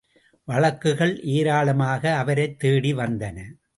வழக்குகள் ஏராளமாக அவரைத் தேடிவந்தன.